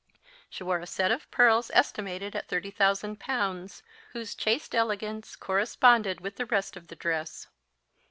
She wore a set of pearls estimated at thirty thousand pounds, whose chaste elegance corresponded with the rest of the dress.